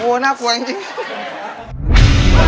ให้เถอะดาวเปินให้คนหน่อย